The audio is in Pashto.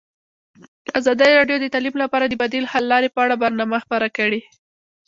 ازادي راډیو د تعلیم لپاره د بدیل حل لارې په اړه برنامه خپاره کړې.